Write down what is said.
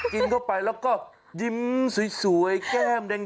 กินเข้าไปแล้วก็ยิ้มสวยแก้มแดง